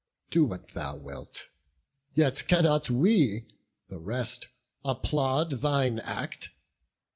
Do what thou wilt; Yet cannot we, the rest, applaud thine act.